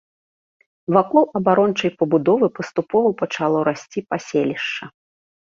Вакол абарончай пабудовы паступова пачало расці паселішча.